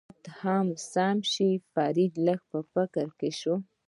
طبیعت هم سم شي، فرید لږ په فکر کې شو.